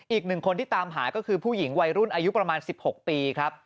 อีกหนึ่งคนที่ตามหาก็คือผู้หญิงวัยรุ่นอายุประมาณ๑๖ปีครับ